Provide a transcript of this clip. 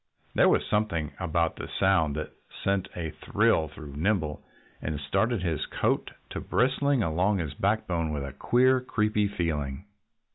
There was something about the sound that sent a thrill through Nimble and started his coat to bristling along his backbone with a queer, creepy feeling.